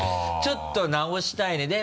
ちょっと直したいね。